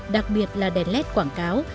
đặc biệt là đèn led quảng cáo